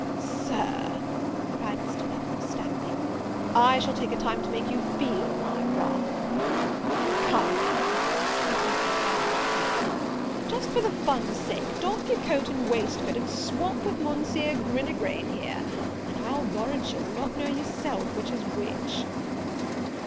"Sir," cried Mr. Lovel, stamping, "I shall take a time to make you feel my wrath." "Come now," continued the regardless Captain, "just for the fun's sake, doff your coat and waistcoat, and swop with Monseer Grinagain here; and I'll warrant you'll not know yourself which is which."